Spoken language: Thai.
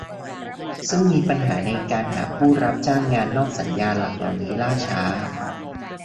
ซึ่งมีปัญหาในการหาผู้รับจ้างงานนอกสัญญาหลักเหล่านี้ล่าช้า